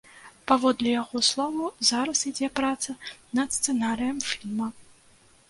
Паводле яго словаў, зараз ідзе праца над сцэнарыем фільма.